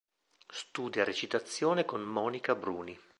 Studia recitazione con Mónica Bruni.